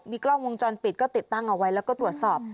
กล้องวงจรปิดก็ติดตั้งเอาไว้แล้วก็ตรวจสอบ